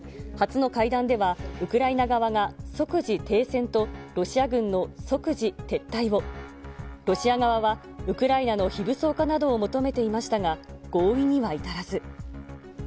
初の会談では、ウクライナ側が即時停戦と、ロシア軍の即時撤退を、ロシア側はウクライナの非武装化などを求めていましたが、合意には至らず。